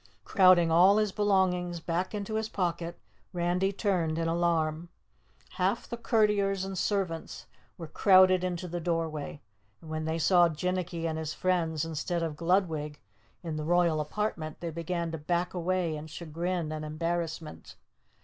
Crowding all his belongings back into his pocket, Randy turned in alarm. Half the courtiers and servants were crowded into the doorway. And when they saw Jinnicky and his friends instead of Gludwig in the Royal Apartment they began to back away in chagrin and embarrassment.